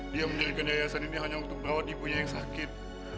dia mendirikan yayasan ini hanya untuk merawat ibunya yang sakit